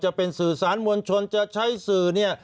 จะเป็นสื่อสารมวลชนจะใช้สื่อเนี่ย